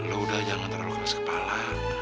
loh udah jangan terlalu keras kepala